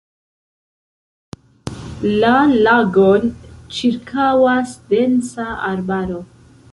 La lagon ĉirkaŭas densa arbaro.